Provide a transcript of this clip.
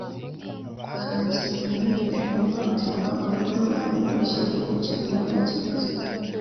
Harakenewe byihutirwa uburyo bushya bwo gukemura iki kibazo